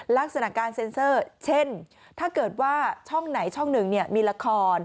ลักษณะการเซ็นเซอร์เช่นถ้าเกิดว่าช่องไหนช่องหนึ่งมีละคร